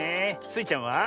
スイちゃんは？